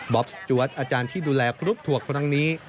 บ็อปสตรวจอาจารย์ที่ดูแลครูปตัวกครั้งนี้